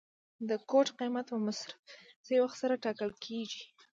د کوټ قیمت په مصرف شوي وخت سره ټاکل کیږي.